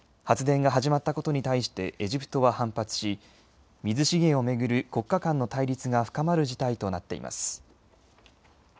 発電が始まったことに対してエジプトは反発し水資源を巡る国家間の対立が深まる事態となっています。